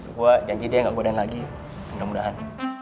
gue janji deh gak bodain lagi mudah mudahan